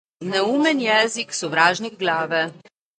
Neumen jezik - sovražnik glave.